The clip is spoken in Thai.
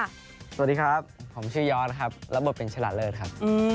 ค้นต่อมาอะไร่นี่มัน